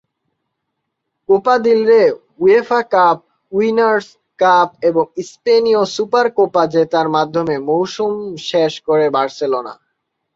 Copa del Rey, UEFA Cup Winners Cup এবং স্পেনীয় Super Copa জেতার মাধ্যমে মৌসুম শেষ করে বার্সেলোনা।